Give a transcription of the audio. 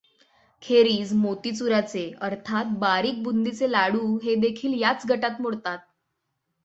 खेरीज मोतीचुराचे अर्थात बारीक बुंदीचे लाडू हेदेखील याच गटात मोडतात.